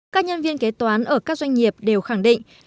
các nhân viên kế toán ở các doanh nghiệp đều khẳng định